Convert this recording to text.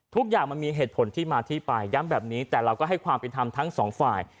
ทุกอย่างมันมีเหตุผลที่มาที่ไปย้ำแบบนี้แต่เราก็ให้ความเป็นธรรมทั้งสองฝ่าย